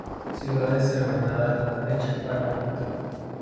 Ciudades hermanadas de chapala